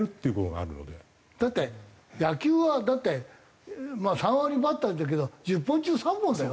だって野球は３割バッターっていうけど１０本中３本だよ？